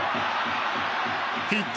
ヒット